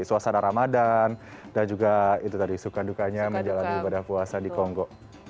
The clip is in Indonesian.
suasana ramadan dan juga itu tadi suka dukanya menjalani ibadah puasa di kongo